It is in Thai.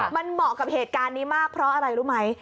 มันเหมาะกับเหตุการณ์นี้มากเพราะอะไรรู้ไหม